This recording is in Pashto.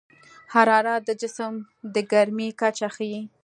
حرارت د جسم د ګرمۍ کچه ښيي.